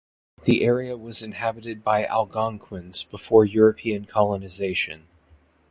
The area was inhabited by Algonquins before European colonization.